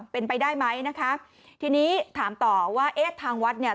เป็นไปได้ไหมนะคะทีนี้ถามต่อว่าเอ๊ะทางวัดเนี่ย